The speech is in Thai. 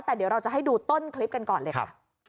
แต่เดี๋ยวเราจะให้ดูต้นคลิปกันก่อนเลยค่ะ